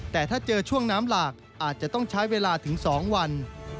แต่ถ้าเจอช่วงน้ำหลากอาจจะต้องใช้เวลาถึง๒วัน